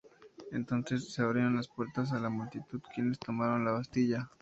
Entonces, se abrieron las puertas a la multitud, quienes tomaron la Bastilla.